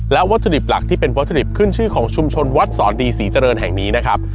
และวัตถุดิบหลักที่เป็นวัตถุดิบขึ้นชื่อของชุมชนวัดสอนดีศรีเจริญแห่งนี้นะครับ